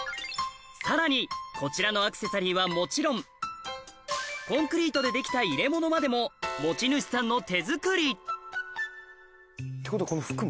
さらにこちらのアクセサリーはもちろんコンクリートでできた入れ物までも持ち主さんの手作りってことはこの。